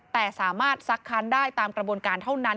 แต่สามารถซักค้านได้ตามกระบวนการเท่านั้น